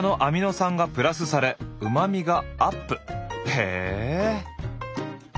へえ！